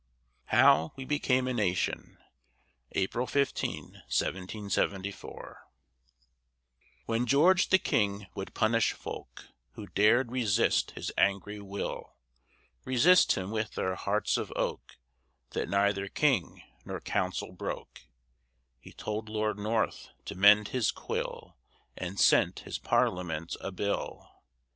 HOW WE BECAME A NATION [April 15, 1774] When George the King would punish folk Who dared resist his angry will Resist him with their hearts of oak That neither King nor Council broke He told Lord North to mend his quill, And sent his Parliament a Bill.